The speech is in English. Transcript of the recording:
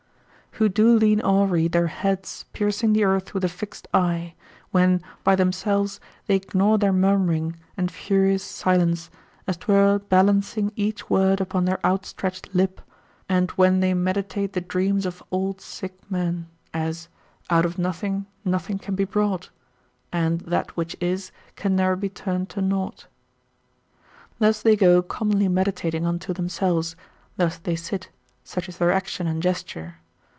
———who do lean awry Their heads, piercing the earth with a fixt eye; When, by themselves, they gnaw their murmuring, And furious silence, as 'twere balancing Each word upon their out stretched lip, and when They meditate the dreams of old sick men, As, 'Out of nothing, nothing can be brought; And that which is, can ne'er be turn'd to nought.' Thus they go commonly meditating unto themselves, thus they sit, such is their action and gesture.